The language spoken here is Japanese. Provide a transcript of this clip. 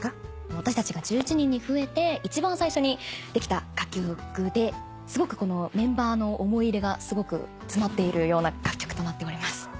私たちが１１人に増えて一番最初にできた楽曲でメンバーの思い入れがすごく詰まっているような楽曲となっております。